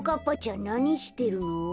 んなにしてるの？